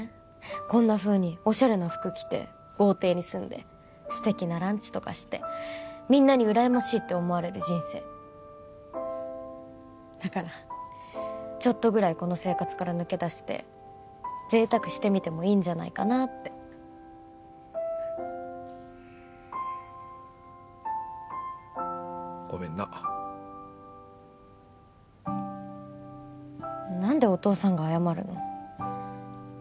こんなふうにおしゃれな服着て豪邸に住んで素敵なランチとかしてみんなにうらやましいって思われる人生だからちょっとぐらいこの生活から抜け出して贅沢してみてもいいんじゃないかなってごめんな何でお父さんが謝るの？